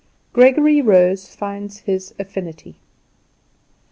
Gregory Rose Finds His Affinity.